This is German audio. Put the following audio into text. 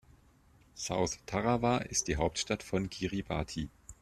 South Tarawa ist die Hauptstadt von Kiribati.